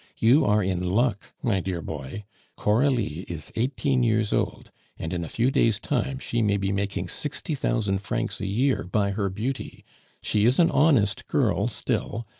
You are in luck my dear boy. Coralie is eighteen years old, and in a few days' time she may be making sixty thousand francs a year by her beauty. She is an honest girl still.